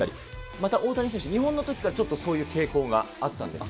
また大谷選手、日本のときからちょっとそういう傾向があったんですよ。